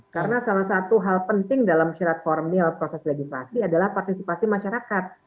karena salah satu hal penting dalam syarat formil proses legislasi adalah partisipasi masyarakat